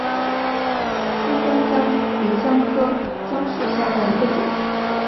川东姜为姜科姜属下的一个种。